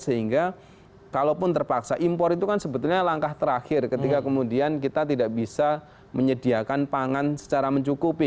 sehingga kalaupun terpaksa impor itu kan sebetulnya langkah terakhir ketika kemudian kita tidak bisa menyediakan pangan secara mencukupi